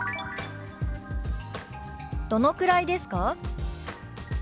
「どのくらいですか？」。